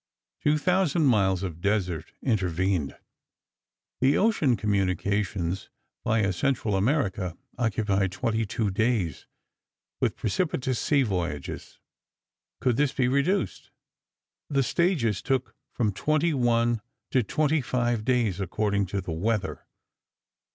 Two thousand miles of desert intervened. The ocean communications, via Central America, occupied twenty two days, with propitious sea voyages. Could this be reduced? The stages took from twenty one to twenty five days, according to the weather.